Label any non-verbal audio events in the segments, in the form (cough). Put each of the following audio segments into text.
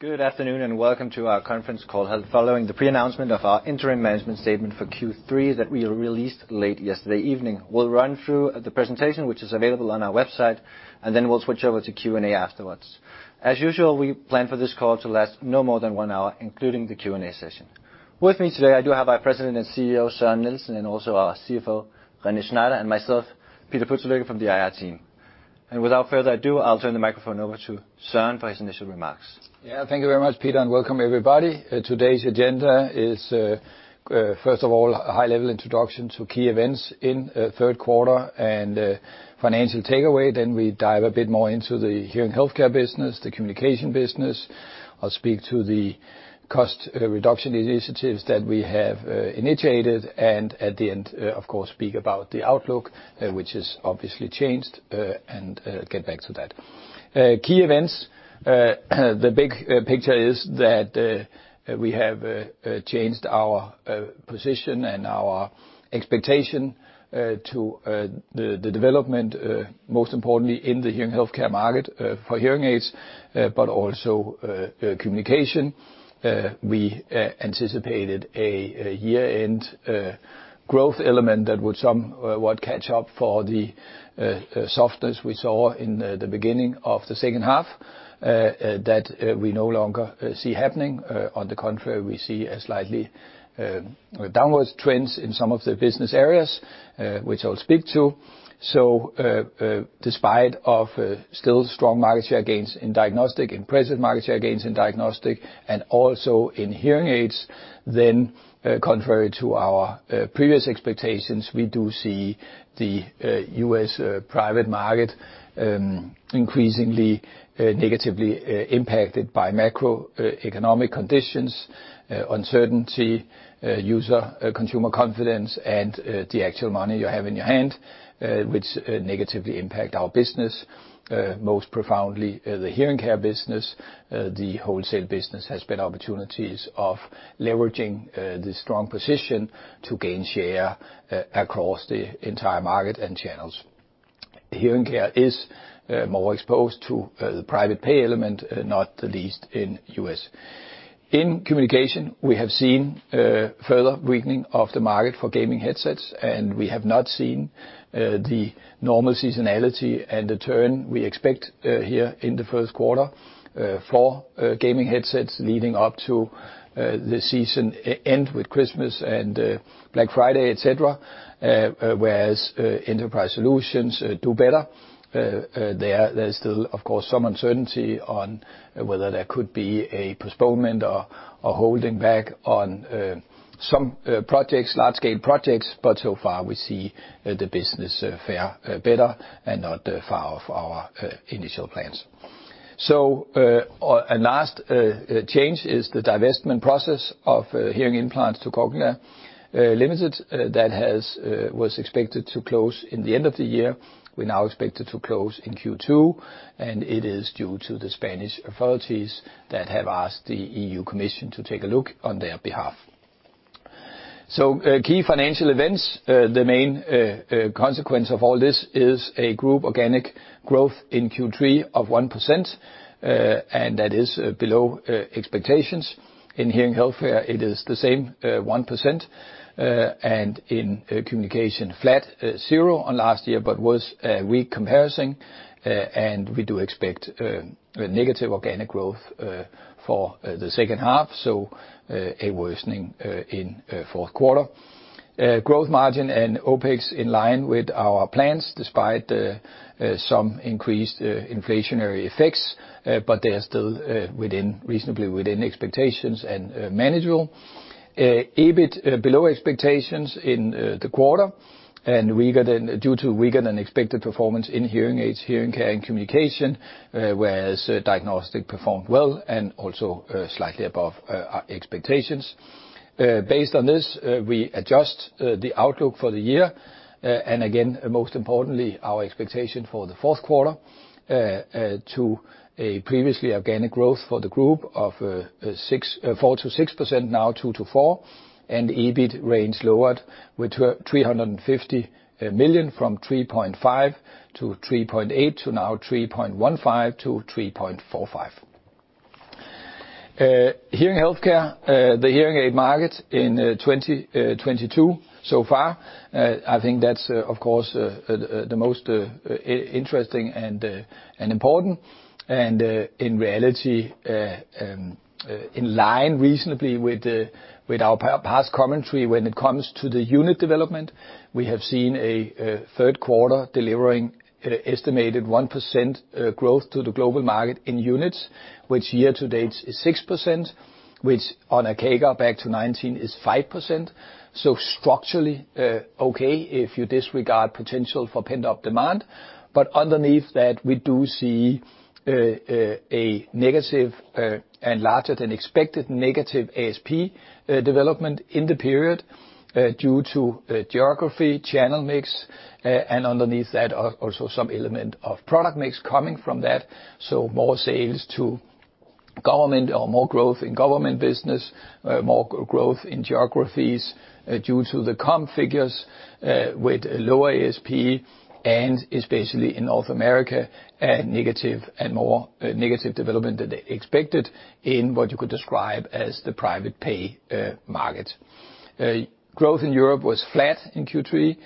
Good afternoon, and welcome to our conference call following the pre-announcement of our interim management statement for Q3 that we released late yesterday evening. We'll run through the presentation, which is available on our website, and then we'll switch over to Q&A afterwards. As usual, we plan for this call to last no more than one hour, including the Q&A session. With me today, I do have our President and CEO, Søren Nielsen, and also our CFO, René Schneider, and myself, Peter Pudselykke, from the IR team. Without further ado, I'll turn the microphone over to Søren for his initial remarks. Yeah, thank you very much, Peter, and welcome everybody. Today's agenda is, first of all, a high-level introduction to key events in third quarter and financial takeaway. Then we dive a bit more into the hearing healthcare business, the Communication business. I'll speak to the cost reduction initiatives that we have initiated. At the end, of course, speak about the outlook, which has obviously changed, and get back to that. Key events, the big picture is that we have changed our position and our expectation to the development, most importantly in the hearing healthcare market, for hearing aids, but also Communication. We anticipated a year-end growth element that would somewhat catch up for the softness we saw in the beginning of the second half that we no longer see happening. On the contrary, we see a slightly downwards trends in some of the business areas, which I'll speak to. Despite of still strong market share gains in diagnostic, impressive market share gains in Diagnostic and also in Hearing Aids, contrary to our previous expectations, we do see the U.S. private market increasingly negatively impacted by macroeconomic conditions, uncertainty, consumer confidence, and the actual money you have in your hand, which negatively impact our business, most profoundly the Hearing Care business. The wholesale business has better opportunities of leveraging the strong position to gain share across the entire market and channels. Hearing Care is more exposed to the private pay element, not the least in U.S. In Communication, we have seen further weakening of the market for gaming headsets, and we have not seen the normal seasonality and the turn we expect here in the first quarter for gaming headsets leading up to the season end with Christmas and Black Friday, et cetera, whereas enterprise solutions do better. There's still, of course, some uncertainty on whether there could be a postponement or holding back on some projects, large-scale projects, but so far we see the business fare better and not far off our initial plans. Last change is the divestment process of Hearing Implants to Cochlear Limited that was expected to close in the end of the year. We now expect it to close in Q2, and it is due to the Spanish authorities that have asked the European Commission to take a look on their behalf. Key financial events, the main consequence of all this is a group organic growth in Q3 of 1%, and that is below expectations. In hearing healthcare, it is the same, 1%, and in Communication, flat 0% on last year, but was a weak comparison, and we do expect negative organic growth for the second half, a worsening in fourth quarter. Gross margin and OpEx in line with our plans despite some increased inflationary effects, but they are still within, reasonably within expectations and manageable. EBIT below expectations in the quarter and weaker due to weaker-than-expected performance in Hearing Aids, Hearing Care and Communication, whereas Diagnostic performed well and also slightly above our expectations. Based on this, we adjust the outlook for the year, and again, most importantly, our expectation for the fourth quarter, to a previous organic growth for the group of four to six percent, now two to four, and EBIT range lowered by 350 million from 3.5 billion-3.8 billion to now 3.15 billion-3.45 billion. Hearing healthcare, the hearing aid market in 2022 so far, I think that's of course the most interesting and important. In reality, in line reasonably with our past commentary when it comes to the unit development. We have seen a third quarter delivering estimated 1% growth to the global market in units, which year to date is 6%, which on a CAGR back to 2019 is 5%. Structurally, okay if you disregard potential for pent-up demand. Underneath that, we do see a negative and larger-than-expected negative ASP development in the period due to geography, channel mix, and underneath that also some element of product mix coming from that. More sales to government or more growth in government business, more growth in geographies due to the comp figures with a lower ASP, and especially in North America, a negative and more negative development than they expected in what you could describe as the private pay market. Growth in Europe was flat in Q3.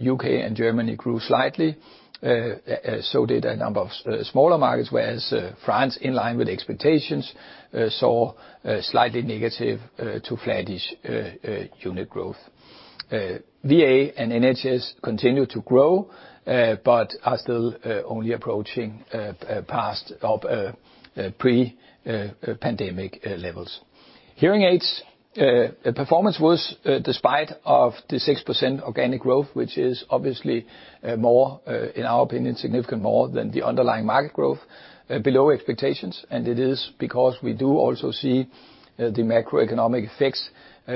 U.K. and Germany grew slightly. So did a number of smaller markets, whereas France, in line with expectations, saw a slightly negative to flattish unit growth. VA and NHS continue to grow, but are still only approaching a past or a pre-pandemic levels. Hearing Aids performance was, despite the 6% organic growth, which is obviously, in our opinion, significantly more than the underlying market growth, below expectations, and it is because we also see the macroeconomic effects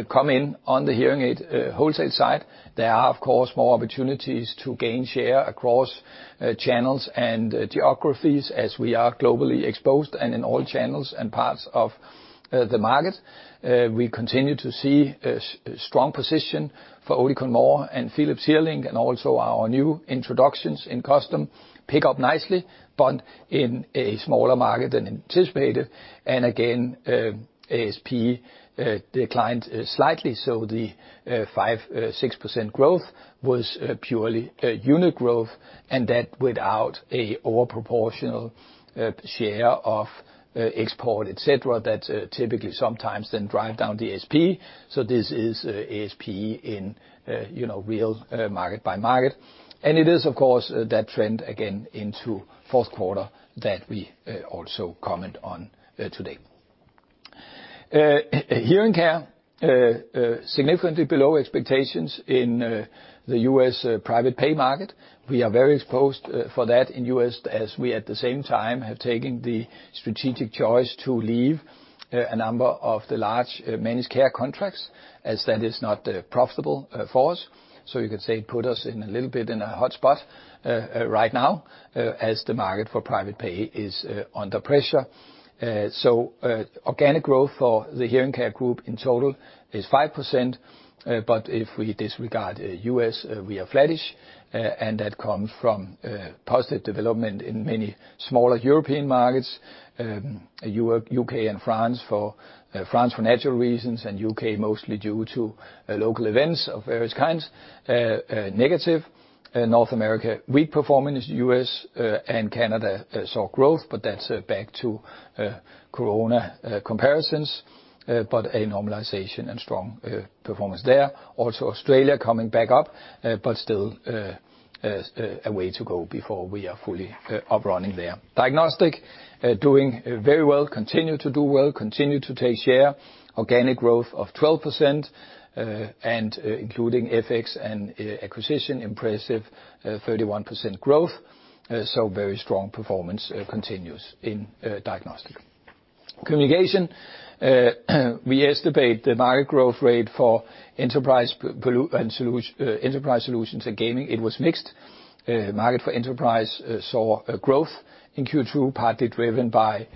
come in on the Hearing Aid wholesale side. There are, of course, more opportunities to gain share across channels and geographies as we are globally exposed and in all channels and parts of the market. We continue to see a strong position for Oticon More and Philips HearLink and also our new introductions in custom pick up nicely, but in a smaller market than anticipated. Again, ASP declined slightly, so the 5%-6% growth was purely unit growth and that without a over proportional share of export, et cetera, that typically sometimes then drive down the ASP. This is ASP in, you know, real market-by-market. It is, of course, that trend again into fourth quarter that we also comment on today. Hearing Care significantly below expectations in the U.S. private pay market. We are very exposed for that in U.S. as we, at the same time, have taken the strategic choice to leave a number of the large managed care contracts as that is not profitable for us. You could say it put us in a little bit of a hot spot right now, as the market for private pay is under pressure. Organic growth for the Hearing Care group in total is 5%, but if we disregard U.S., we are flattish, and that comes from positive development in many smaller European markets. U.K. and France for natural reasons, and U.K. mostly due to local events of various kinds. Negative. North America, weak performance. U.S. and Canada saw growth, but that's back to Corona comparisons, but a normalization and strong performance there. Also Australia coming back up, but still a way to go before we are fully up and running there. Diagnostics doing very well. Continue to do well, continue to take share. Organic growth of 12%, and including FX and acquisition, impressive 31% growth. Very strong performance continues in Diagnostics. Communication, we estimate the market growth rate for enterprise solutions and gaming, it was mixed. Market for enterprise saw a growth in Q2, partly driven by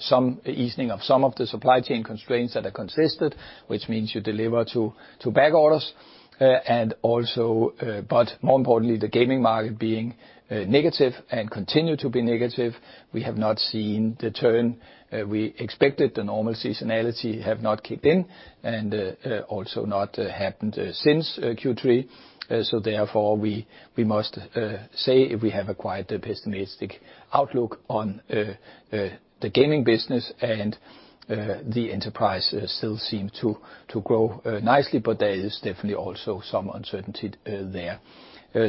some easing of some of the supply chain constraints that existed, which means you deliver to back orders. But more importantly, the gaming market being negative and continue to be negative. We have not seen the turn we expected. The normal seasonality have not kicked in and also not happened since Q3. Therefore we must say we have quite a pessimistic outlook on the gaming business, and the enterprise still seem to grow nicely, but there is definitely also some uncertainty there.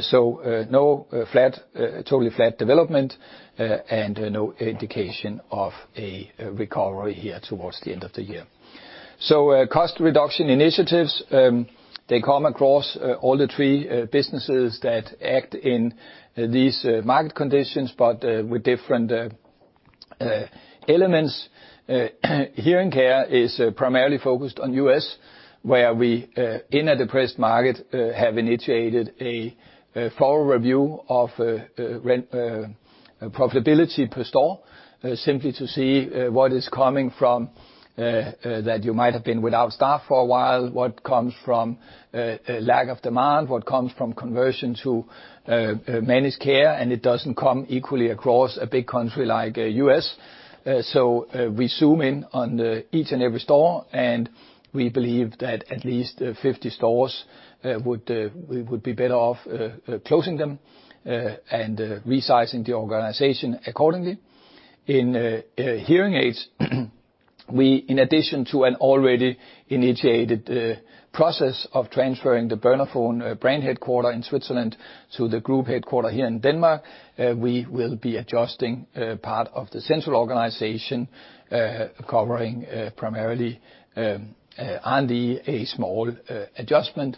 So no flat, totally flat development, and no indication of a recovery here towards the end of the year. Cost reduction initiatives they come across all the three businesses that act in these market conditions, but with different elements. Hearing Care is primarily focused on U.S., where we, in a depressed market, have initiated a thorough review of our net profitability per store, simply to see what is coming from that you might have been without staff for a while, what comes from lack of demand, what comes from conversion to managed care, and it doesn't come equally across a big country like U.S. We zoom in on each and every store, and we believe that at least 50 stores would be better off closing them and resizing the organization accordingly. In Hearing Aids, in addition to an already initiated process of transferring the Bernafon brand headquarters in Switzerland to the group headquarters here in Denmark, we will be adjusting part of the central organization covering primarily and a small adjustment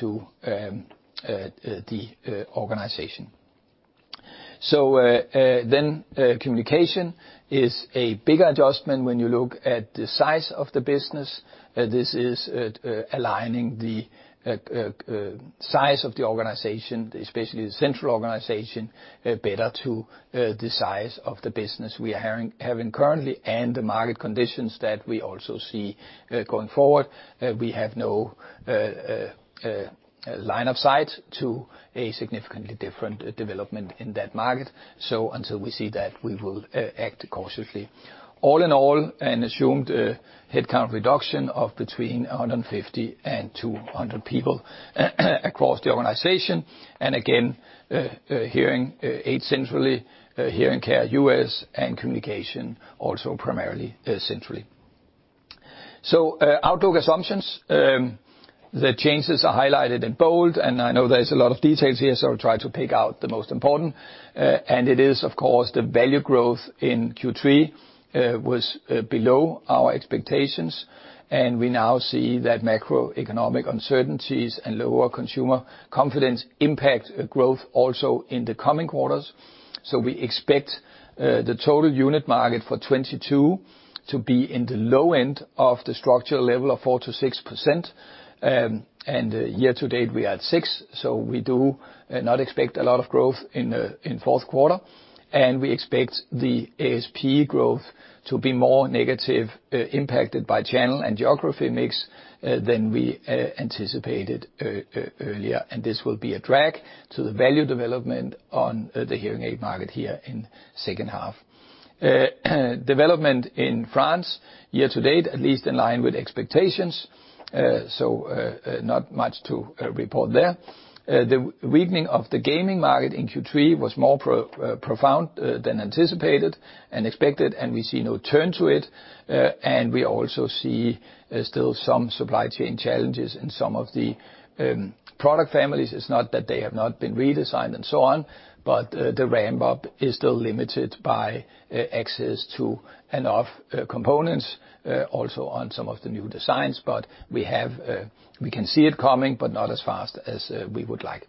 to the organization. Communication is a big adjustment when you look at the size of the business. This is aligning the size of the organization, especially the central organization, better to the size of the business we are having currently, and the market conditions that we also see going forward. We have no line of sight to a significantly different development in that market. Until we see that, we will act cautiously. All in all, an assumed headcount reduction of between 150 and 200 people across the organization. Again, Hearing Aid centrally, Hearing Care U.S., and Communication, also primarily, centrally. Outlook assumptions. The changes are highlighted in bold, and I know there's a lot of details here, so I'll try to pick out the most important. It is, of course, the value growth in Q3 was below our expectations, and we now see that macroeconomic uncertainties and lower consumer confidence impact growth also in the coming quarters. We expect the total unit market for 2022 to be in the low end of the structural level of 4%-6%. Year-to-date, we're at 6%, so we do not expect a lot of growth in fourth quarter. We expect the ASP growth to be more negatively impacted by channel and geography mix than we anticipated earlier. This will be a drag to the value development on the hearing aid market here in second half. Development in France year-to-date, at least in line with expectations, so not much to report there. The weakening of the gaming market in Q3 was more profound than anticipated and expected, and we see no turn to it. We also see still some supply chain challenges in some of the product families. It's not that they have not been redesigned and so on, but the ramp-up is still limited by access to enough components also on some of the new designs. We can see it coming, but not as fast as we would like.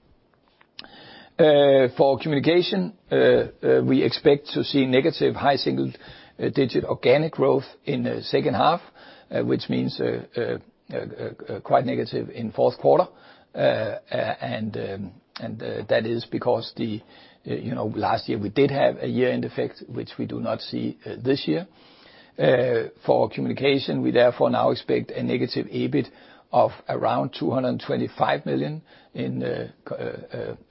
For Communication, we expect to see negative high single digit organic growth in the second half, which means quite negative in fourth quarter. That is because you know, last year, we did have a year-end effect, which we do not see this year. For Communication, we therefore now expect a negative EBIT of around 225 million as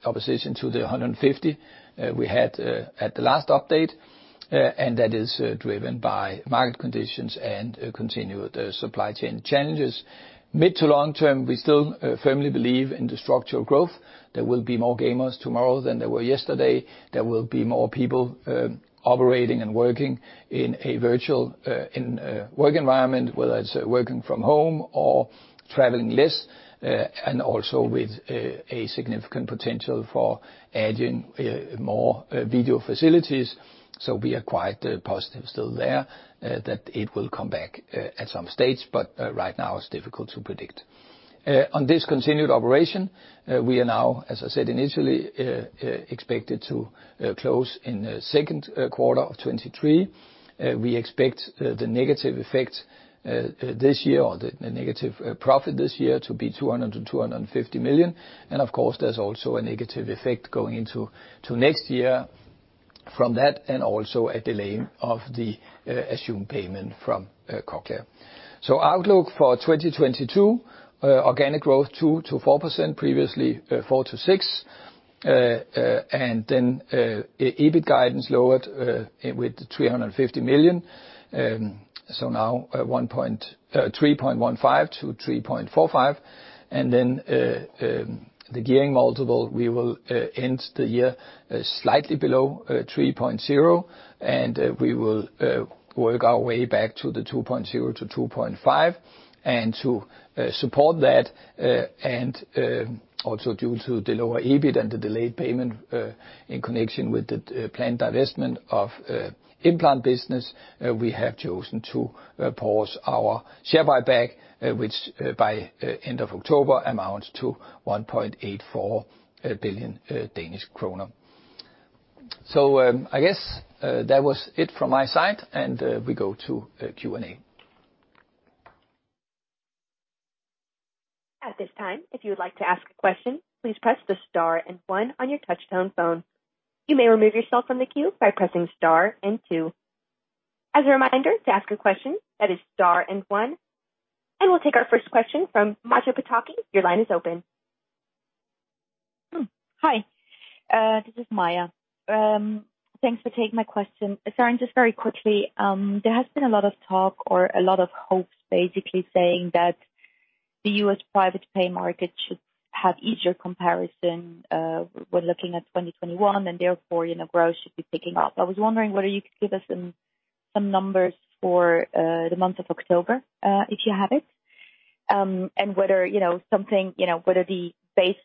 opposed to the 150 million we had at the last update. That is driven by market conditions and continued supply chain challenges. Mid to long term, we still firmly believe in the structural growth. There will be more gamers tomorrow than there were yesterday. There will be more people operating and working in a virtual work environment, whether it's working from home or traveling less, and also with a significant potential for adding more video facilities. We are quite positive still there that it will come back at some stage, but right now it's difficult to predict. On discontinued operation, we are now, as I said initially, expected to close in the second quarter of 2023. We expect the negative effect this year or the negative profit this year to be 200 million-250 million. Of course, there's also a negative effect going into next year from that and also a delay of the assumed payment from Cochlear. Outlook for 2022 organic growth 2%-4%, previously 4%-6%. EBIT guidance lowered with 350 million, so now 3.15 billion-3.45 billion. The gearing multiple, we will end the year slightly below 3.0x, and we will work our way back to the 2.0x-2.5x. To support that and also due to the lower EBIT and the delayed payment in connection with the planned divestment of Implant business, we have chosen to pause our share buyback, which by end of October amounts to 1.84 billion Danish kroner. I guess that was it from my side, and we go to Q&A. At this time, if you would like to ask a question, please press the star and one on your touch-tone phone. You may remove yourself from the queue by pressing star and two. As a reminder, to ask a question, that is star and one. We'll take our first question from Maja Pataki. Your line is open. Hi, this is Maja. Thanks for taking my question. Sorry, and just very quickly, there has been a lot of talk or a lot of hopes basically saying that the U.S. private pay market should have easier comparison, when looking at 2021, and therefore, you know, growth should be picking up. I was wondering whether you could give us some numbers for the month of October, if you have it. And whether, you know, something, you know, whether the base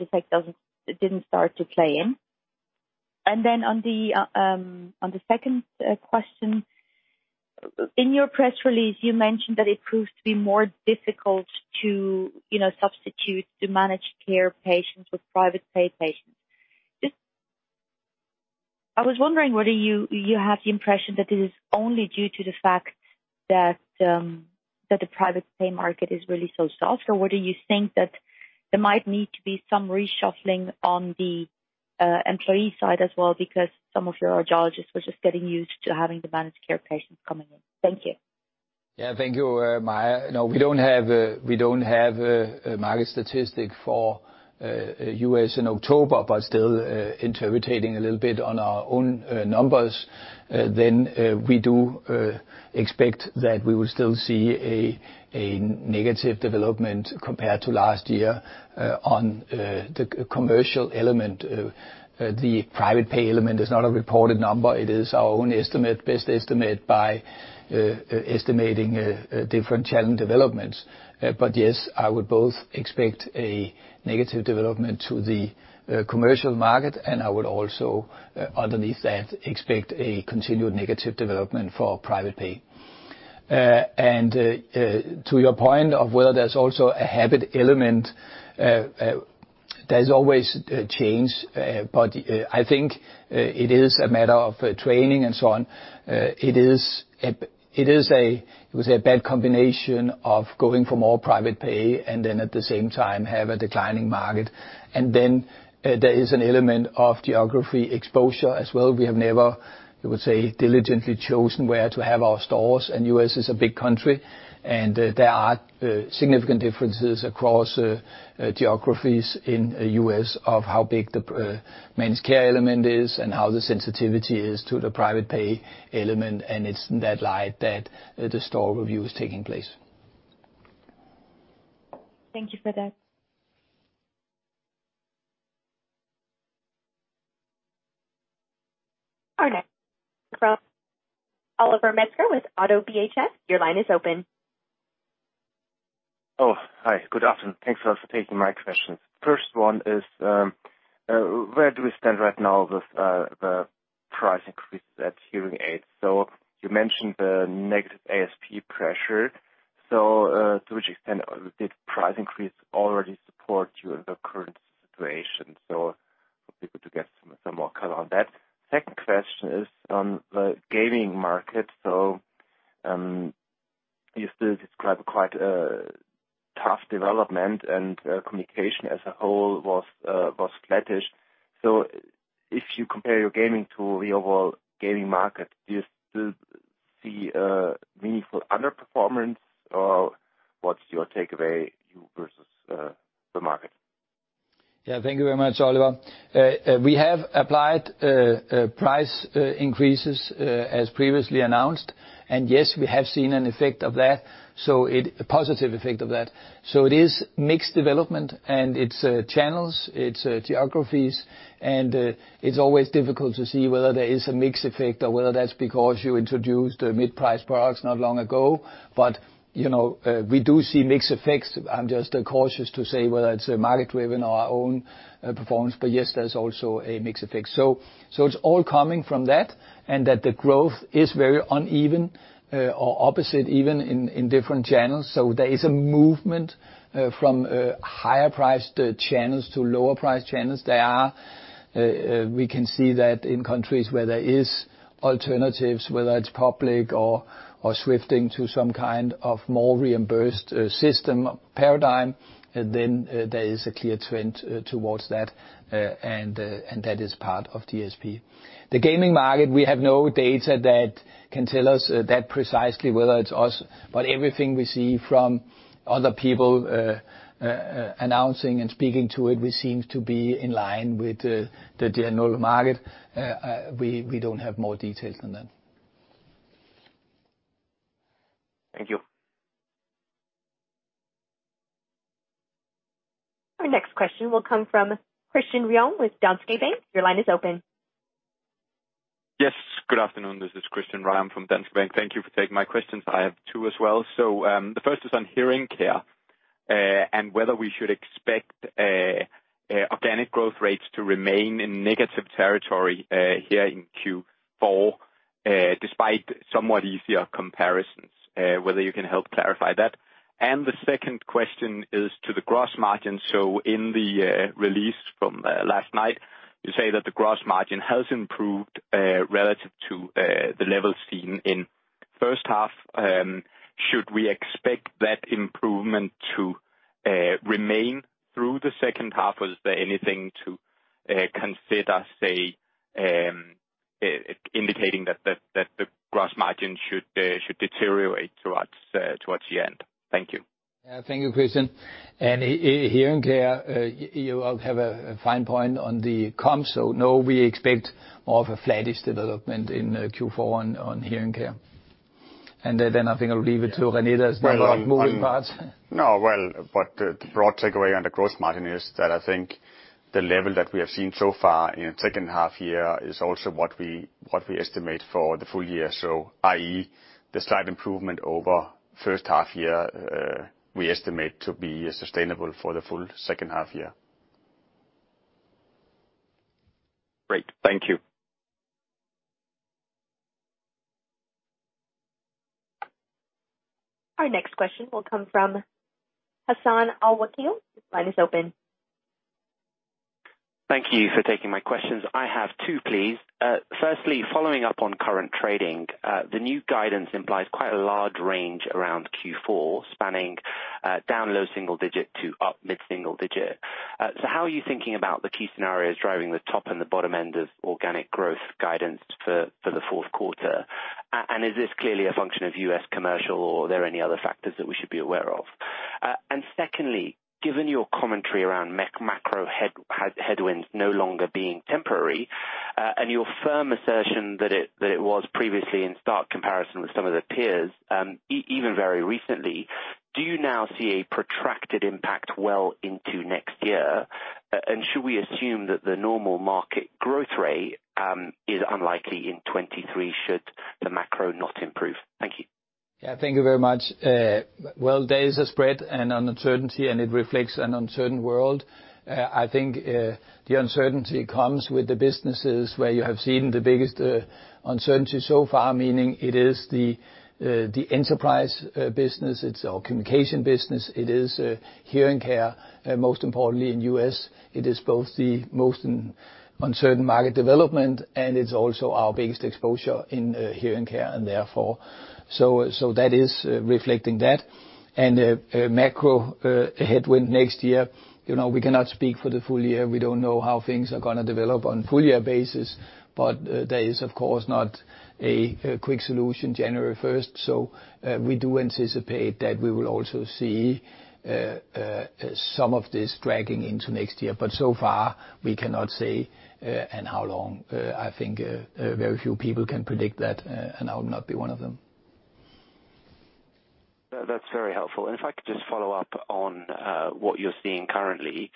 effect didn't start to play in. Then on the second question. In your press release, you mentioned that it proves to be more difficult to, you know, substitute the managed care patients with private pay patients. Just, I was wondering whether you have the impression that this is only due to the fact that the private pay market is really so soft. Or whether you think that there might need to be some reshuffling on the employee side as well, because some of your audiologists were just getting used to having the managed care patients coming in. Thank you. Yeah. Thank you, Maja. No, we don't have a market statistic for U.S. in October. Still, interpreting a little bit on our own numbers, then we do expect that we will still see a negative development compared to last year on the commercial element. The private pay element is not a reported number, it is our own estimate, best estimate by estimating different channel developments. But yes, I would both expect a negative development to the commercial market, and I would also, underneath that, expect a continued negative development for private pay. To your point of whether there's also a habit element, there's always a change. I think it is a matter of training and so on. We say bad combination of going for more private pay and then at the same time have a declining market. There is an element of geography exposure as well. We have never, we would say, diligently chosen where to have our stores, and U.S. is a big country. There are significant differences across geographies in U.S. of how big the managed care element is, and how the sensitivity is to the private pay element. It's in that light that the store review is taking place. Thank you for that. Our next from Oliver Metzger with ODDO BHF, your line is open. Oh, hi. Good afternoon. Thanks for taking my questions. First one is, where do we stand right now with the price increase at hearing aids? So you mentioned the negative ASP pressure. So, to which extent did price increase already support you in the current situation? So would be good to get some more color on that. Second question is on the gaming market. So, you still describe quite a tough development, and communication as a whole was flattish. So if you compare your gaming to the overall gaming market, do you still see a meaningful underperformance? Or what's your takeaway, you versus the market? Yeah. Thank you very much, Oliver. We have applied price increases as previously announced. Yes, we have seen an effect of that. It is a positive effect of that. It is mixed development in its channels, in its geographies, and it's always difficult to see whether there is a mix effect or whether that's because you introduced mid-price products not long ago. You know, we do see mix effects. I'm just cautious to say whether it's market-driven or our own performance. Yes, there's also a mix effect. It's all coming from that, and that the growth is very uneven, or even opposite, in different channels. There is a movement from higher priced channels to lower priced channels. We can see that in countries where there is alternatives, whether it's public or shifting to some kind of more reimbursed system paradigm, then there is a clear trend towards that. That is part of ASP. The gaming market, we have no data that can tell us that precisely whether it's us. Everything we see from other people announcing and speaking to it, we seem to be in line with the general market. We don't have more details than that. Thank you. Our next question will come from Christian Ryom with Danske Bank. Your line is open. Yes, good afternoon. This is Christian Ryom from Danske Bank. Thank you for taking my questions. I have two as well. The first is on hearing care, and whether we should expect organic growth rates to remain in negative territory here in Q4, despite somewhat easier comparisons. Whether you can help clarify that. The second question is to the gross margin. In the release from last night, you say that the gross margin has improved relative to the levels seen in first half. Should we expect that improvement to remain through the second half? Or is there anything to consider, say, indicating that the gross margin should deteriorate towards the end? Thank you. Yeah. Thank you, Christian. Hearing care, you have a fine point on the comp. No, we expect more of a flattish development in Q4 on hearing care. I think I'll leave it to René. There's not a lot of moving parts. No. Well, the broad takeaway on the gross margin is that I think the level that we have seen so far in second half year is also what we estimate for the full year. i.e., the slight improvement over first half year, we estimate to be sustainable for the full second half year. Great. Thank you. Our next question will come from Hassan Al-Wakeel. Your line is open. Thank you for taking my questions. I have two, please. Firstly, following up on current trading, the new guidance implies quite a large range around Q4, spanning down low-single-digit to up mid-single-digit. So how are you thinking about the key scenarios driving the top and the bottom end of organic growth guidance for the fourth quarter? And is this clearly a function of U.S. commercial, or are there any other factors that we should be aware of? And secondly, given your commentary around macro headwinds no longer being temporary, and your firm assertion that it was previously in stark comparison with some of the peers, even very recently, do you now see a protracted impact well into next year? Should we assume that the normal market growth rate is unlikely in 2023 should the macro not improve? Thank you. Yeah, thank you very much. Well, there is a spread and an uncertainty, and it reflects an uncertain world. I think the uncertainty comes with the businesses where you have seen the biggest uncertainty so far, meaning it is the enterprise business, it's our communication business, it is hearing care, most importantly in U.S. It is both the most uncertain market development, and it's also our biggest exposure in hearing care, and therefore. That is reflecting that. Macro headwind next year, you know, we cannot speak for the full year. We don't know how things are gonna develop on full year basis, but that is, of course, not a quick solution January first. We do anticipate that we will also see some of this dragging into next year. So far we cannot say, and how long. I think very few people can predict that, and I'll not be one of them. That's very helpful. If I could just follow up on what you're seeing currently.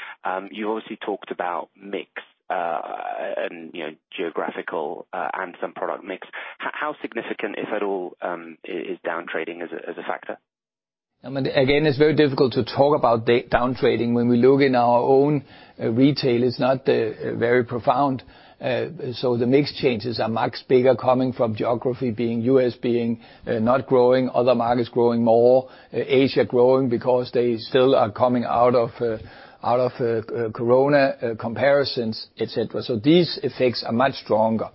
You obviously talked about mix and you know geographical and some product mix. How significant, if at all, is downtrading as a factor? I mean, again, it's very difficult to talk about downtrading when we look at our own retail; it's not very profound. The mix changes are much bigger coming from geography, the U.S. not growing, other markets growing more, Asia growing because they still are coming out of corona comparisons, et cetera. These effects are much stronger.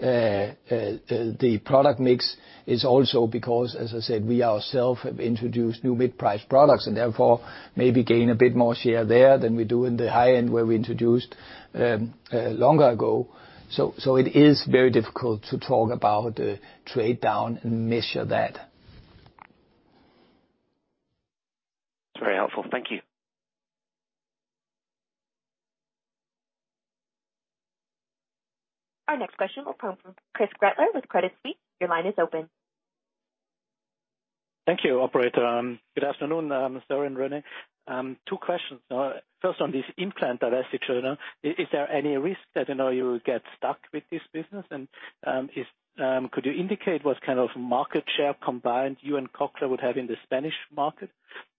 The product mix is also because, as I said, we ourselves have introduced new mid-price products and therefore maybe gain a bit more share there than we do in the high end, where we introduced longer ago. It is very difficult to talk about trade-down and measure that. It's very helpful. Thank you. Our next question will come from Chris Gretler with Credit Suisse. Your line is open. Thank you, operator. Good afternoon, Søren and René. Two questions. First on this implant divestiture. Is there any risk that, you know, you will get stuck with this business? Could you indicate what kind of market share combined you and Cochlear would have in the Spanish market?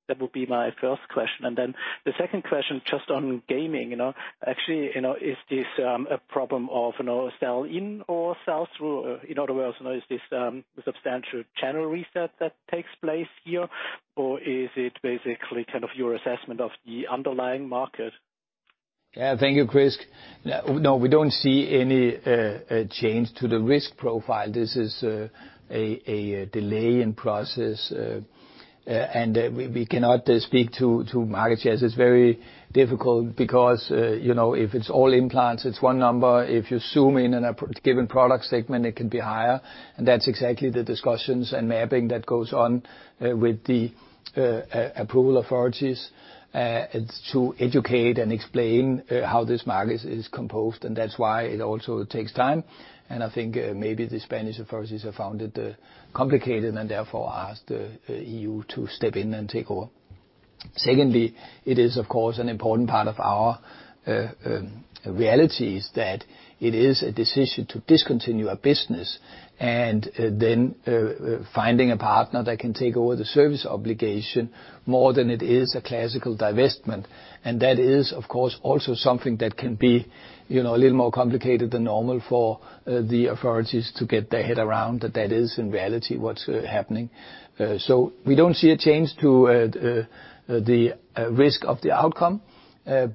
That would be my first question. The second question, just on gaming, you know. Actually, you know, is this a problem of, you know, sell-in or sell-through? In other words, you know, is this substantial channel reset that takes place here, or is it basically kind of your assessment of the underlying market? Yeah. Thank you, Chris. No, we don't see any change to the risk profile. This is a delay in process, and we cannot speak to market shares. It's very difficult because, you know, if it's all implants, it's one number. If you zoom in on a given product segment, it can be higher. That's exactly the discussions and mapping that goes on with the approval authorities. It's to educate and explain how this market is composed, and that's why it also takes time. I think maybe the Spanish authorities have found it complicated and therefore asked E.U. to step in and take over. Secondly, it is of course an important part of our reality is that it is a decision to discontinue a business and then finding a partner that can take over the service obligation more than it is a classical divestment. That is, of course, also something that can be, you know, a little more complicated than normal for the authorities to get their head around, that is in reality what's happening. We don't see a change to the risk of the outcome,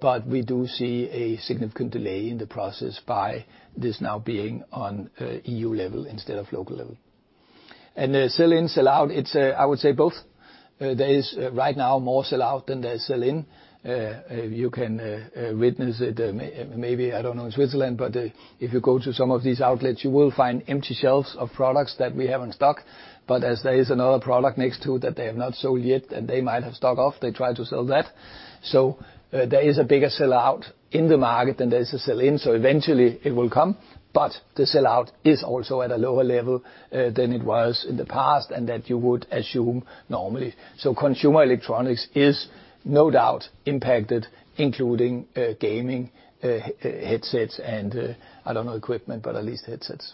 but we do see a significant delay in the process by this now being on E.U. Level instead of local level. Sell-in, sell-out, it's, I would say both. There is right now more sell out than there is sell in. You can witness it, maybe, I don't know in Switzerland, but if you go to some of these outlets, you will find empty shelves of products that we have in stock. As there is another product next to it that they have not sold yet, and they might have stock of, they try to sell that. There is a bigger sell-out in the market than there is a sell-in, so eventually it will come, but the sell-out is also at a lower level than it was in the past and that you would assume normally. Consumer electronics is no doubt impacted, including gaming headsets and I don't know equipment, but at least headsets.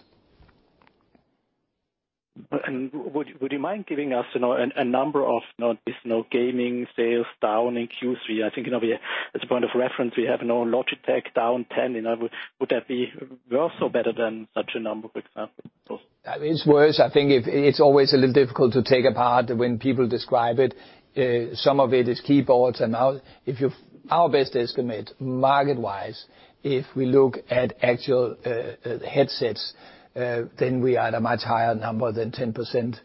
Would you mind giving us, you know, a number on, you know, just, you know, gaming sales down in Q3? I think, you know, we as a point of reference, we have, you know, Logitech down 10%. You know, would that be worse or better than such a number, for example? It's worse. I think it's always a little difficult to take apart when people describe it. Some of it is keyboards and mouse. Our best estimate market-wise, if we look at actual headsets, then we are at a much higher number than 10%.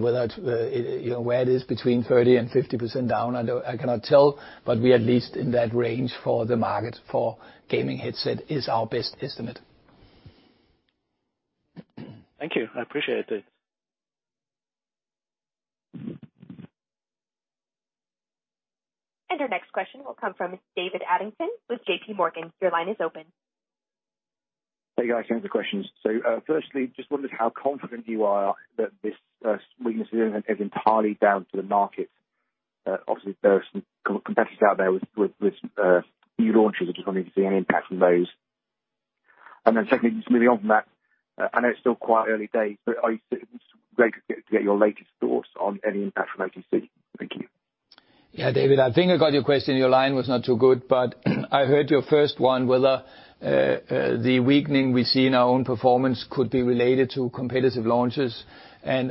Whether, you know, where it is between 30%-50% down, I cannot tell, but we are at least in that range for the market for gaming headset is our best estimate. Thank you. I appreciate it. Our next question will come from David Adlington with JPMorgan. Your line is open. Hey, guys. Two questions. Firstly, just wondering how confident you are that this weakness is entirely down to the market. Obviously there are some competitors out there with new launches. I'm just wondering if you see any impact from those. Secondly, just moving on from that, I know it's still quite early days, but are you still. (audio distortion) Can I get your latest thoughts on any impact from OTC? Thank you. Yeah, David, I think I got your question. Your line was not too good, but I heard your first one, whether the weakening we see in our own performance could be related to competitive launches.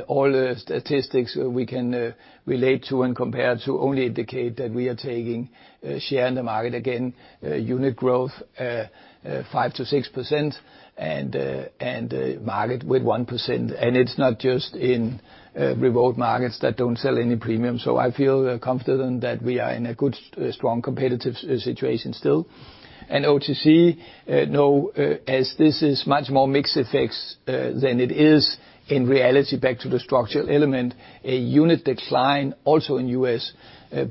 All the statistics we can relate to and compare to only indicate that we are taking share in the market again. Unit growth 5%-6%, and market with 1%. It's not just in remote markets that don't sell any premium. I feel confident that we are in a good, strong, competitive situation still. OTC, no, as this is much more mixed effects than it is in reality back to the structural element, a unit decline also in U.S.,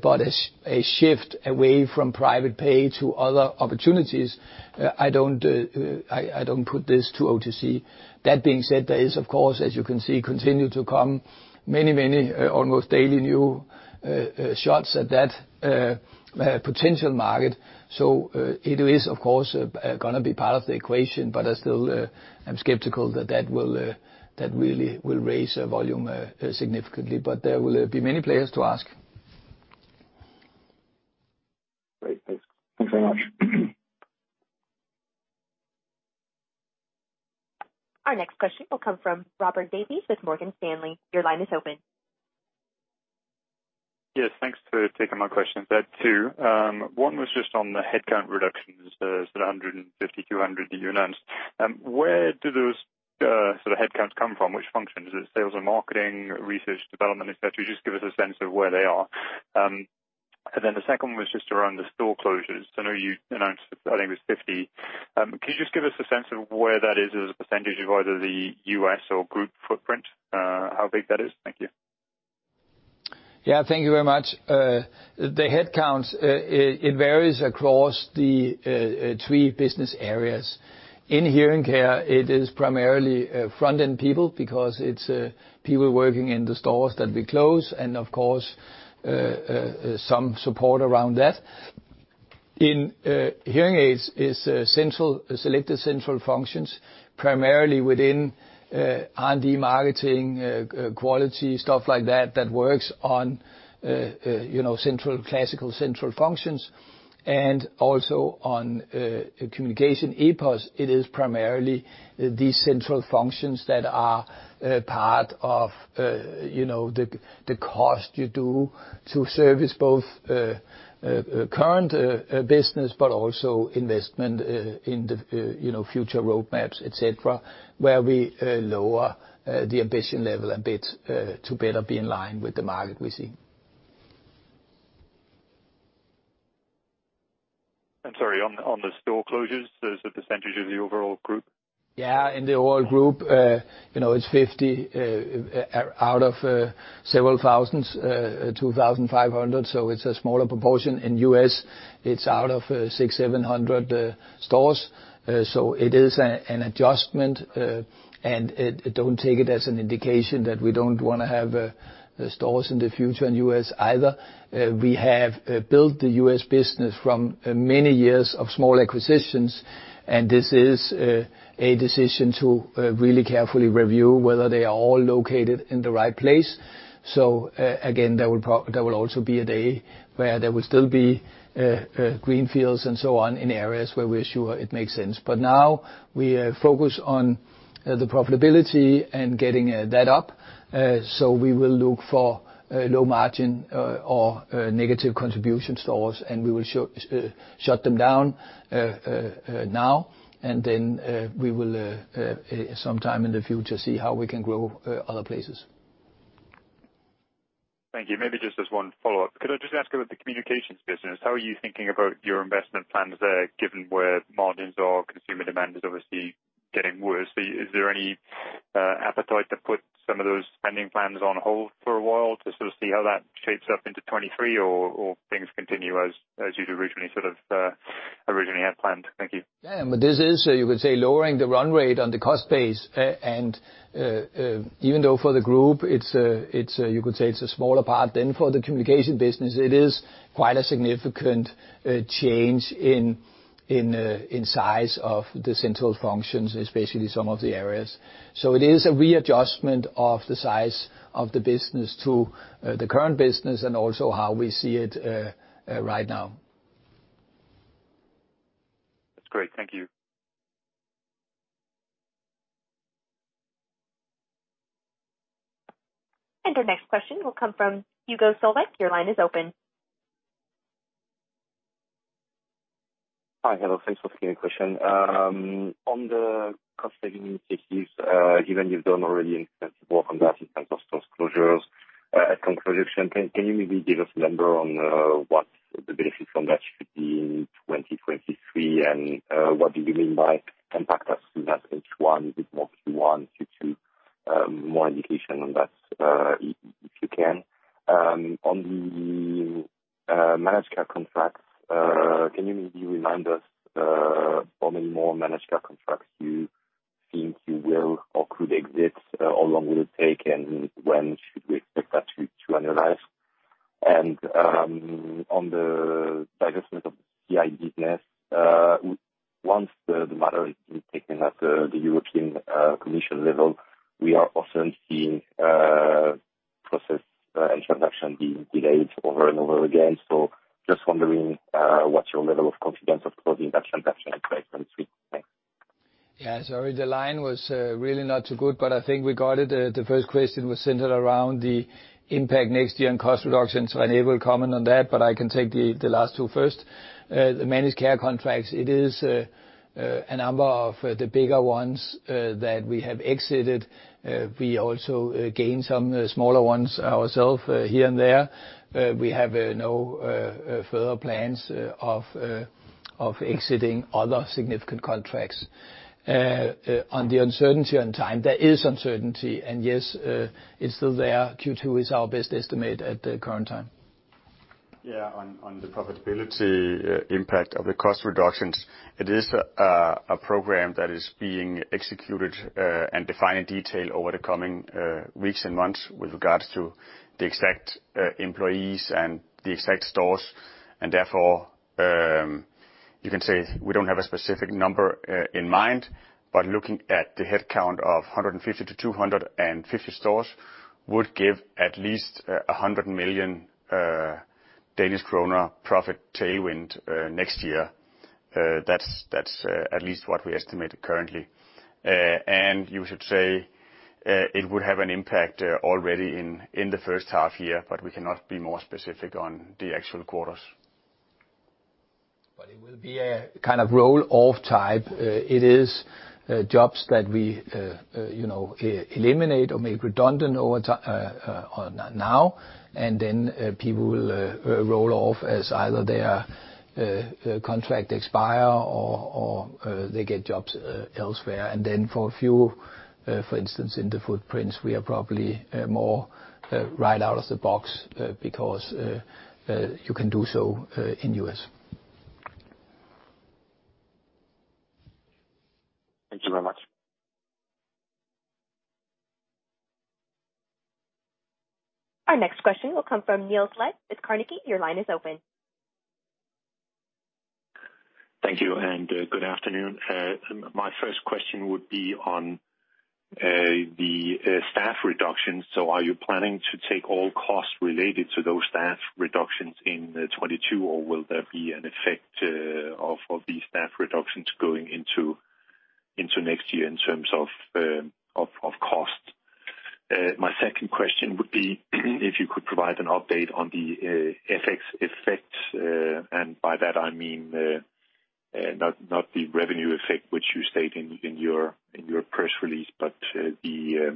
but a shift away from private pay to other opportunities, I don't put this to OTC. That being said, there is of course, as you can see, continue to come many almost daily new shots at that potential market. It is of course gonna be part of the equation, but I still am skeptical that really will raise our volume significantly. There will be many players to ask. Great. Thanks. Thanks very much. Our next question will come from Robert Davies with Morgan Stanley. Your line is open. Yes, thanks for taking my questions. There are two. One was just on the headcount reductions, sort of 150, 200 that you announced. Where do those sort of headcounts come from? Which functions? Is it sales and marketing, research, development, et cetera? Just give us a sense of where they are. The second one was just around the store closures. I know you announced, I think it was 50. Could you just give us a sense of where that is as a percentage of either the U.S. or group footprint, how big that is? Thank you. Yeah. Thank you very much. The headcounts, it varies across the three business areas. In Hearing Care, it is primarily front-end people because it's people working in the stores that we close and of course some support around that. In Hearing Aids is central, selected central functions, primarily within R&D, marketing, quality, stuff like that works on you know, central, classical central functions. Also on Communication EPOS, it is primarily these central functions that are part of you know, the cost you do to service both current business, but also investment in the you know, future roadmaps, et cetera, where we lower the ambition level a bit to better be in line with the market we see. I'm sorry. On the store closures, as a percentage of the overall group? Yeah. In the overall group, you know, it's 50 out of several thousands, 2,500, so it's a smaller proportion. In U.S., it's out of 600, 700 stores. So it is an adjustment. Don't take it as an indication that we don't wanna have stores in the future in U.S. either. We have built the U.S. business from many years of small acquisitions, and this is a decision to really carefully review whether they are all located in the right place. There will also be a day where there will still be greenfields and so on in areas where we're sure it makes sense. Now we focus on the profitability and getting that up. We will look for low margin or negative contribution stores, and we will shut them down now, and then we will sometime in the future see how we can grow other places. Thank you. Maybe just as one follow-up. Could I just ask about the Communications business? How are you thinking about your investment plans there, given where margins are? Consumer demand is obviously getting worse. Is there any appetite to put some of those spending plans on hold for a while to sort of see how that shapes up into 2023, or things continue as you'd originally had planned? Thank you. Yeah. This is, you could say, lowering the run rate on the cost base. And even though for the group, it's a smaller part, then for the Communication business, it is quite a significant change in size of the central functions, especially some of the areas. It is a readjustment of the size of the business to the current business and also how we see it right now. That's great. Thank you. Our next question will come from Hugo Solvet. Your line is open. Hi. Hello. Thanks for taking the question. On the cost savings initiatives, given you've done already extensive work on that in terms of store closures, at conclusion, can you maybe give us a number on what the benefits from that should be in 2023, and what do you mean by impact us in that H1 with more Q1, Q2, more indication on that, if you can. On the managed care contracts, can you maybe remind us how many more managed care contracts you think you will or could exit, how long will it take, and when should we expect that to analyze? On the divestment of CI business, once the matter is being taken at the European Commission level, we are often seeing process and transaction being delayed over and over again. Just wondering what's your level of confidence of closing that transaction next week. Thanks. Yeah. Sorry, the line was really not too good, but I think we got it. The first question was centered around the impact next year on cost reductions. René will comment on that, but I can take the last two first. The managed care contracts, it is a number of the bigger ones that we have exited. We also gained some smaller ones ourself here and there. We have no further plans of exiting other significant contracts. On the uncertainty on time, there is uncertainty, and yes, it's still there. Q2 is our best estimate at the current time. Yeah. On the profitability impact of the cost reductions, it is a program that is being executed and defined in detail over the coming weeks and months with regards to the exact employees and the exact stores. Therefore, you can say we don't have a specific number in mind, but looking at the head count of 150 to 250 stores would give at least a 100 million Danish kroner profit tailwind next year. That's at least what we estimated currently. You should say it would have an impact already in the first half year, but we cannot be more specific on the actual quarters. It will be a kind of roll-off type. It is jobs that we, you know, eliminate or make redundant over time now and then. People will roll off as either their contract expire or they get jobs elsewhere. For a few, for instance, in the footprints, we are probably more right out of the box because you can do so in U.S. Thank you very much. Our next question will come from Niels Leth with Carnegie. Your line is open. Thank you, and good afternoon. My first question would be on the staff reductions. Are you planning to take all costs related to those staff reductions in 2022, or will there be an effect of these staff reductions going into next year in terms of cost? My second question would be if you could provide an update on the FX effects, and by that I mean not the revenue effect, which you state in your press release, but the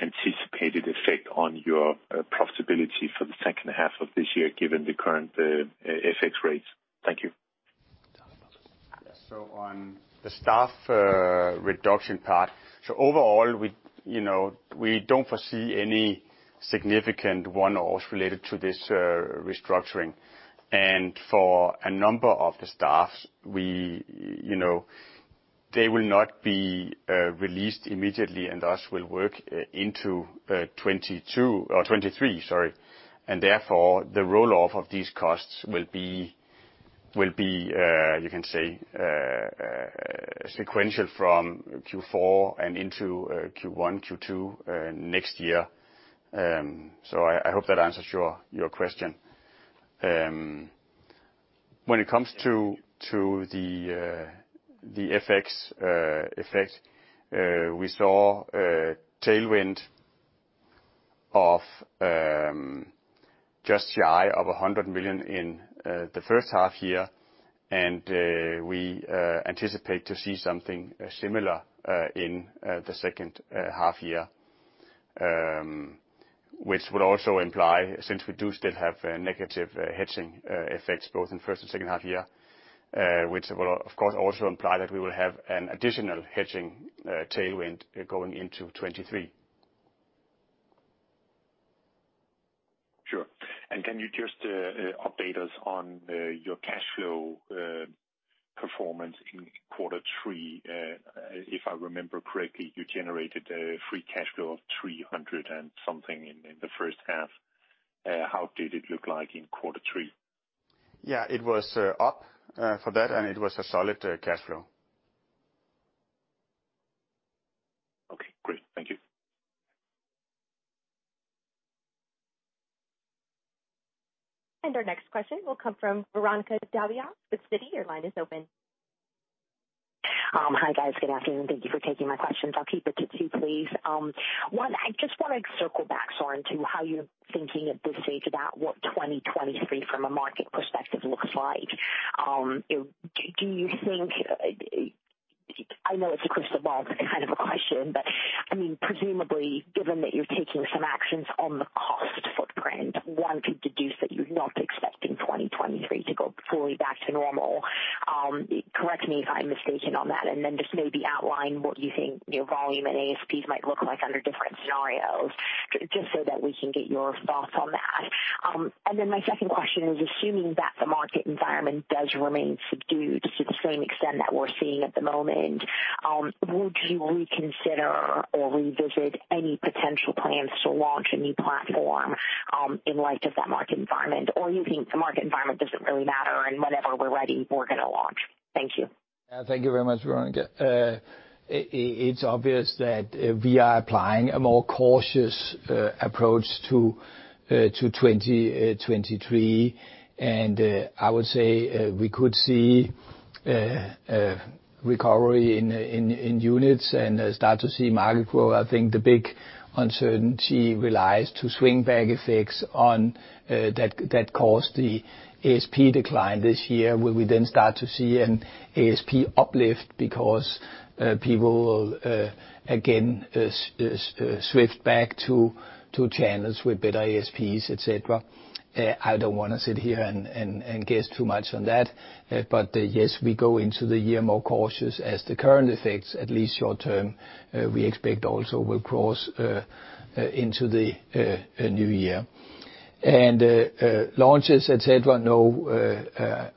anticipated effect on your profitability for the second half of this year given the current FX rates. Thank you. On the staff reduction part, overall, we, you know, we don't foresee any significant one-offs related to this restructuring. For a number of the staff, we, you know, they will not be released immediately and thus will work into 2022 or 2023, sorry. Therefore, the roll-off of these costs will be, you can say, sequential from Q4 and into Q1, Q2 next year. I hope that answers your question. When it comes to the FX effect, we saw a tailwind of just G&I of 100 million in the first half year, and we anticipate to see something similar in the second half year. Which would also imply, since we do still have a negative hedging effects both in first and second half year, which will of course also imply that we will have an additional hedging tailwind going into 2023. Sure. Can you just update us on your cash flow performance in quarter three? If I remember correctly, you generated a free cash flow of 300 and something in the first half. How did it look like in quarter three? Yeah. It was up for that, and it was a solid cash flow. Okay, great. Thank you. Our next question will come from Veronika Dubajova with Citi. Your line is open. Hi, guys. Good afternoon. Thank you for taking my questions. I'll keep it to two, please. One, I just wanna circle back, Søren, to how you're thinking at this stage about what 2023 from a market perspective looks like. Do you think? I know it's a crystal ball kind of a question, but I mean, presumably, given that you're taking some actions on the cost footprint, one could deduce that you're not expecting 2023 to go fully back to normal. Correct me if I'm mistaken on that, and then just maybe outline what you think, you know, volume and ASPs might look like under different scenarios, just so that we can get your thoughts on that. My second question is, assuming that the market environment does remain subdued to the same extent that we're seeing at the moment, would you reconsider or revisit any potential plans to launch a new platform, in light of that market environment? Or you think the market environment doesn't really matter, and whenever we're ready, we're gonna launch? Thank you. Yeah, thank you very much, Veronika. It's obvious that we are applying a more cautious approach to 2023. I would say we could see a recovery in units and start to see market growth. I think the big uncertainty relies on swing back effects that caused the ASP decline this year, where we then start to see an ASP uplift because people again shift back to channels with better ASPs, et cetera. I don't want to sit here and guess too much on that. Yes, we go into the year more cautious as the current effects, at least short term, we expect also will cross into the new year. No,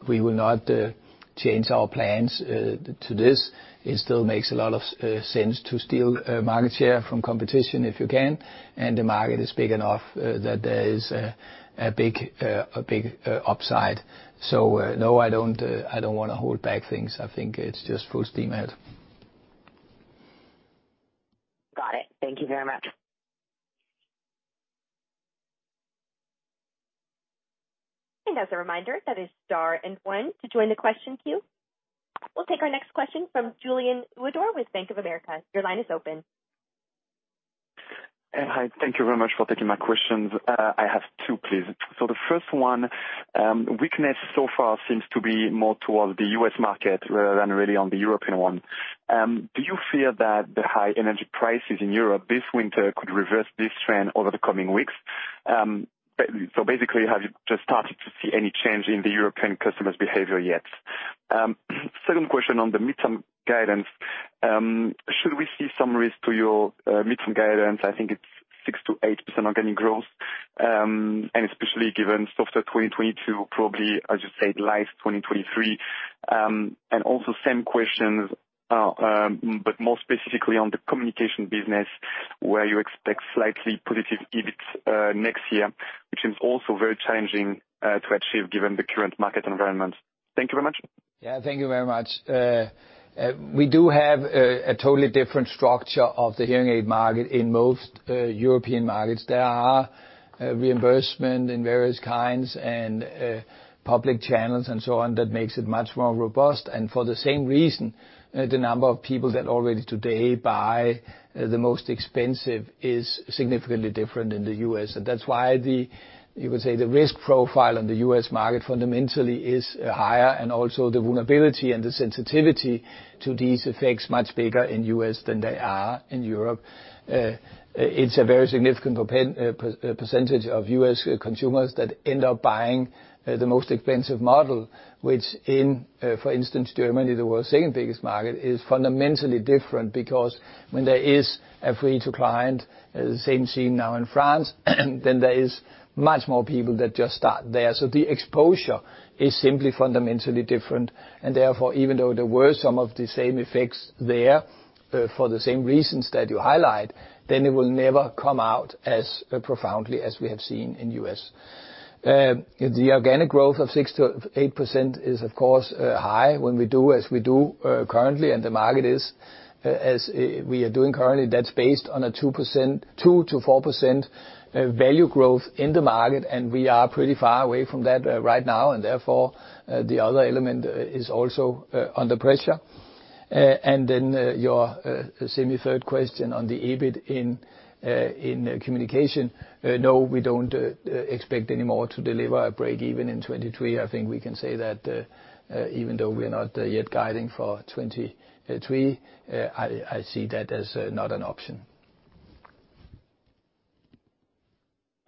we will not change our plans to this. It still makes a lot of sense to steal market share from competition if you can, and the market is big enough that there is a big upside. No, I don't wanna hold back things. I think it's just full steam ahead. Got it. Thank you very much. As a reminder, that is star and one to join the question queue. We'll take our next question from Julien Ouaddour with Bank of America. Your line is open. Hi, thank you very much for taking my questions. I have two, please. The first one, weakness so far seems to be more towards the U.S. market rather than really on the European one. Do you fear that the high energy prices in Europe this winter could reverse this trend over the coming weeks? Basically, have you just started to see any change in the European customers' behavior yet? Second question on the midterm guidance. Should we see some risk to your midterm guidance? I think it's 6%-8% organic growth, and especially given softer 2022, probably, as you said, light 2023. Also same questions, but more specifically on the Communication business, where you expect slightly positive EBIT next year, which is also very challenging to achieve given the current market environment. Thank you very much. Yeah, thank you very much. We do have a totally different structure of the hearing aid market in most European markets. There are reimbursement in various kinds and public channels and so on that makes it much more robust. For the same reason, the number of people that already today buy the most expensive is significantly different in the U.S. That's why you could say the risk profile in the U.S. market fundamentally is higher, and also the vulnerability and the sensitivity to these effects much bigger in the U.S. than they are in Europe. It's a very significant percentage of U.S. consumers that end up buying the most expensive model, which, for instance, in Germany, the world's second-biggest market, is fundamentally different because when there is a free to client, same seen now in France, then there is much more people that just start there. The exposure is simply fundamentally different. Therefore, even though there were some of the same effects there for the same reasons that you highlight, then it will never come out as profoundly as we have seen in U.S. The organic growth of 6%-8% is, of course, high when we do as we do currently. The market is, as we are doing currently, that's based on a 2%-4% value growth in the market, and we are pretty far away from that, right now. Therefore, the other element is also under pressure. Then your semi-third question on the EBIT in Communication. No, we don't expect any more to deliver a breakeven in 2023. I think we can say that, even though we're not yet guiding for 2023, I see that as not an option.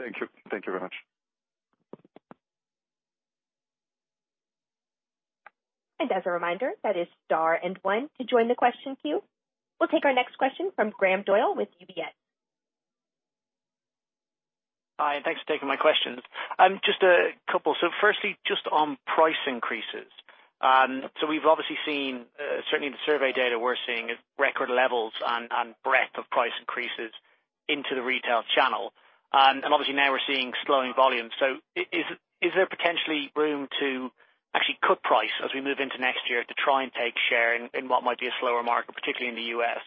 Thank you. Thank you very much. As a reminder, that is star and one to join the question queue. We'll take our next question from Graham Doyle with UBS. Hi, and thanks for taking my questions. Just a couple. Firstly, just on price increases. We've obviously seen, certainly in the survey data, we're seeing record levels on breadth of price increases into the retail channel. Obviously now we're seeing slowing volumes. Is there potentially room to actually cut price as we move into next year to try and take share in what might be a slower market, particularly in the U.S.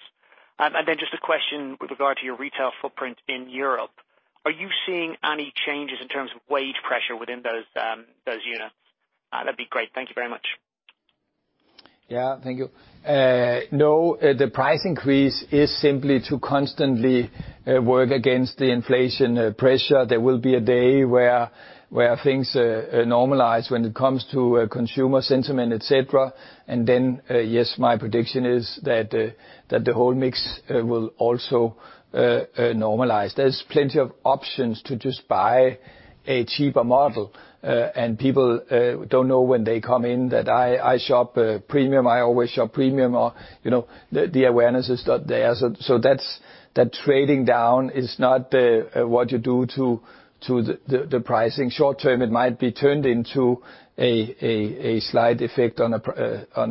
Then just a question with regard to your retail footprint in Europe. Are you seeing any changes in terms of wage pressure within those units? That'd be great. Thank you very much. Yeah. Thank you. No, the price increase is simply to constantly work against the inflation pressure. There will be a day where things normalize when it comes to consumer sentiment, et cetera. Yes, my prediction is that the whole mix will also normalize. There's plenty of options to just buy a cheaper model. People don't know when they come in that I shop premium. I always shop premium or, you know, the awareness is not there. That's trading down is not what you do to the pricing. Short term, it might be turned into a slight effect on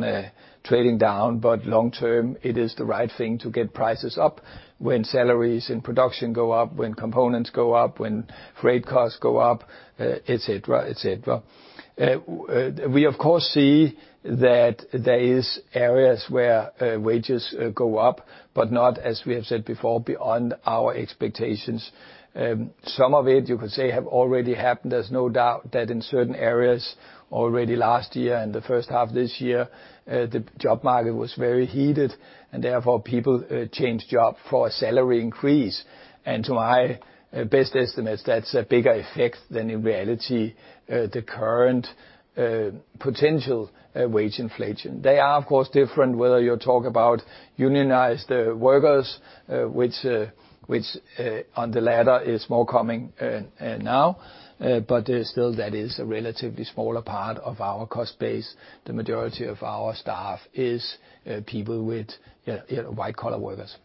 a trading down, but long term, it is the right thing to get prices up when salaries and production go up, when components go up, when freight costs go up, et cetera, et cetera. We of course see that there is areas where wages go up, but not, as we have said before, beyond our expectations. Some of it you could say have already happened. There's no doubt that in certain areas already last year and the first half of this year, the job market was very heated, and therefore people changed job for a salary increase. To my best estimates, that's a bigger effect than in reality the current potential wage inflation. They are, of course, different, whether you talk about unionized workers, which on the latter is more coming now. Still, that is a relatively smaller part of our cost base. The majority of our staff is, you know, white-collar workers.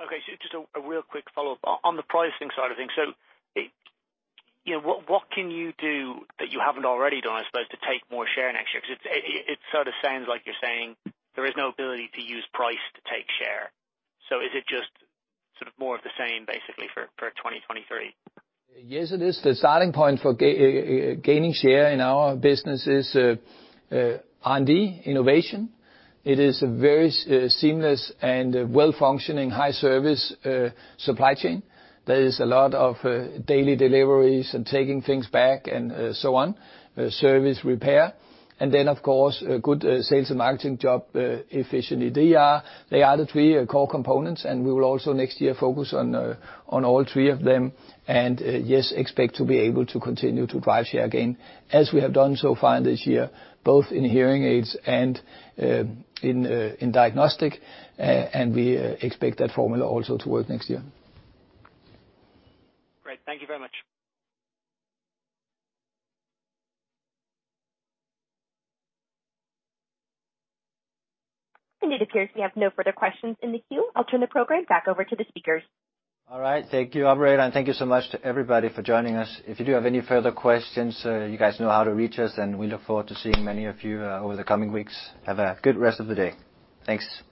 Okay. Just a real quick follow-up. On the pricing side of things, you know, what can you do that you haven't already done, I suppose, to take more share next year? 'Cause it sort of sounds like you're saying there is no ability to use price to take share. Is it just sort of more of the same basically for 2023? Yes, it is. The starting point for gaining share in our business is R&D innovation. It is a very seamless and well-functioning high service supply chain. There is a lot of daily deliveries and taking things back and so on. Service repair. Then, of course, a good sales and marketing job efficiency. They are the three core components, and we will also next year focus on all three of them. Yes, expect to be able to continue to drive share gain as we have done so far this year, both in Hearing Aids and in Diagnostic. We expect that formula also to work next year. Great. Thank you very much. It appears we have no further questions in the queue. I'll turn the program back over to the speakers. All right. Thank you, operator, and thank you so much to everybody for joining us. If you do have any further questions, you guys know how to reach us, and we look forward to seeing many of you, over the coming weeks. Have a good rest of the day. Thanks.